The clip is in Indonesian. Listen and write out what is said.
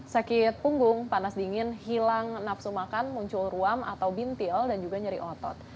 sakit punggung panas dingin hilang nafsu makan muncul ruam atau bintil dan juga nyeri otot